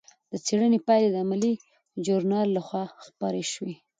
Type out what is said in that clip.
د څېړنې پایلې د علمي ژورنال لخوا خپرې شوې.